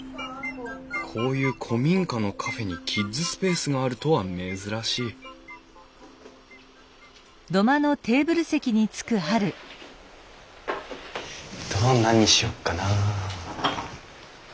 こういう古民家のカフェにキッズスペースがあるとは珍しい頼むの何にしようかな。